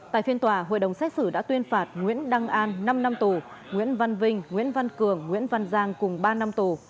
tại phiên tòa hội đồng xét xử đã tuyên phạt nguyễn đăng an năm năm tù nguyễn văn vinh nguyễn văn cường nguyễn văn giang cùng ba năm tù